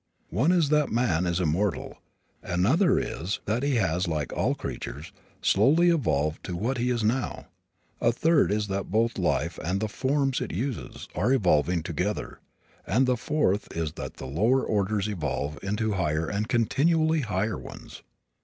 One is that man is immortal. Another is that he has, like all creatures, slowly evolved to what he now is. A third is that both life, and the forms it uses, are evolving together, and the fourth is that lower orders evolve into higher and continually higher ones.